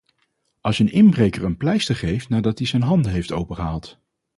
Als je een inbreker een pleister geeft nadat die z'n hand heeft opengehaald.